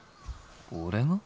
俺が？